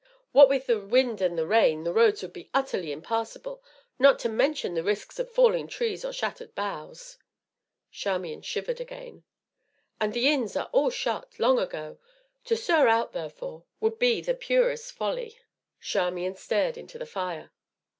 "What with the wind and the rain the roads would be utterly impassable, not to mention the risks of falling trees or shattered boughs." Charmian shivered again. "And the inns are all shut, long ago; to stir out, therefore, would be the purest folly." Charmian stared into the fire.